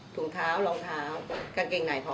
ถุงเท้ารองเท้ากางเกงไหนพร้อม